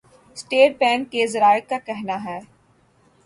state bank کے ذرائع کا کہناہے